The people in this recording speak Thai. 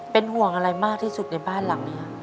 เป็นห่วงอะไรมากที่สุดในบ้านหลังนี้ครับ